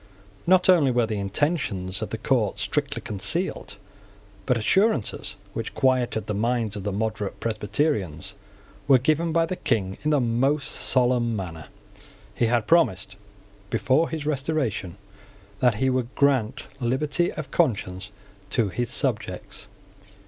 Not only were the intentions of the court strictly concealed, but assurances which quieted the minds of the moderate Presbyterians were given by the King in the most solemn manner. He had promised, before his restoration, that he would grant liberty of conscience to his subjects.